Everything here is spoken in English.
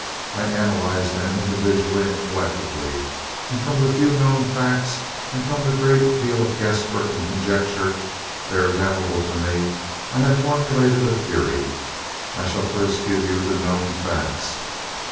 I analyzed them individually and collectively, and from the few known facts and from the great deal of guesswork and conjecture there available to me, I have formulated a theory. I shall first give you the known facts.